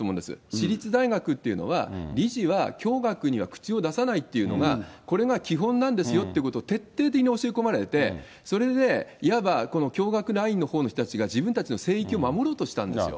私立大学っていうのは、理事は教学には口を出さないというのが、これが基本なんですよということを徹底的に教え込まれて、それでいわば、教学ラインのほうの人たちが自分たちの聖域を守ろうとしたんですよ。